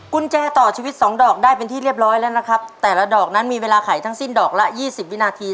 กุญแจต่อชีวิตสองดอกได้เป็นที่เรียบร้อยแล้วนะครับแต่ละดอกนั้นมีเวลาไขทั้งสิ้นดอกละยี่สิบวินาที